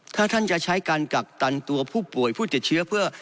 ถ้าท่านจะใช้การกักกันตัวผู้ป่วยผู้ติดเชื้อเพื่อ